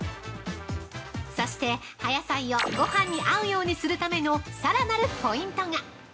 ◆そして、葉野菜をごはんに合うようにするためのさらなるポイントが。